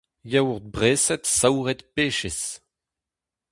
Yaourt breset saouret pechez.